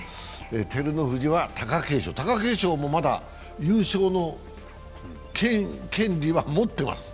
照ノ富士は貴景勝、貴景勝も、まだ優勝の権利は持ってます。